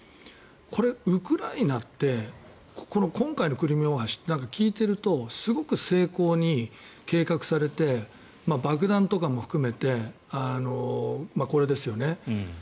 これ、ウクライナって今回のクリミア大橋聞いているとすごく精巧に計画されて爆弾とかも含めてこれですよね。